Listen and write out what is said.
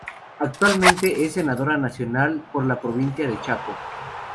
Actualmente es Senadora Nacional por la provincia de Chaco.